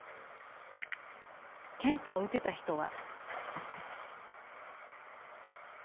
検査を受けた人は。